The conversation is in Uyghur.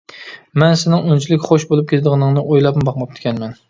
مەن سېنىڭ ئۇنچىلىك خۇش بولۇپ كېتىدىغىنىڭنى ئويلاپمۇ باقماپتىكەنمەن.